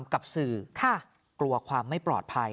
คือกลัวความไม่ปลอดภัย